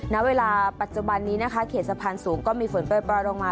ณเวลาปัจจุบันนี้เข็ดสะพานสูงก็มีฝนเปล่าลงมา